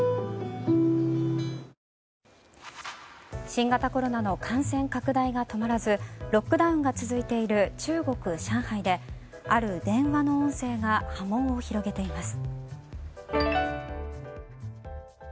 新型コロナの感染拡大が止まらずロックダウンが続いている中国・上海である現場の音声が波紋を広げています。